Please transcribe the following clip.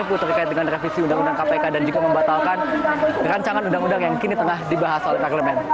terkait dengan revisi undang undang kpk dan juga membatalkan rancangan undang undang yang kini tengah dibahas oleh parlemen